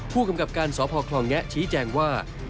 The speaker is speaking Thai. ผู้กำกับการสพคลองแงะชี้แจงว่า